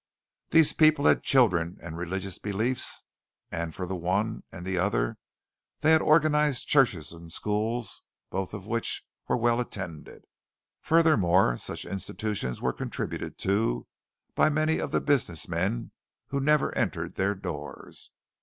These people had children and religious beliefs; and for the one and the other they had organized churches and schools, both of which were well attended. Furthermore, such institutions were contributed to by many of the business men who never entered their doors.